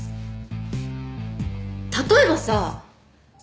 例えばさ！